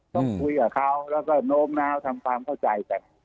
ต้องคุยกับเขาแล้วก็โน้มน้าวทำความเข้าใจกัน